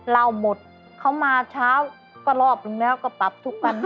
เราหมดเขามาเช้าก็รอบหนึ่งแล้วก็ปรับทุกวัน